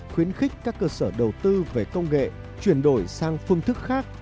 khuyến khích các cơ sở đầu tư về công nghệ chuyển đổi sang phương thức khác